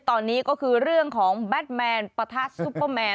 ตอนนี้ก็คือเรื่องของแบทแมนประทัดซุปเปอร์แมน